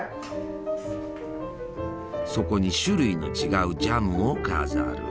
そこに種類の違うジャムを飾る。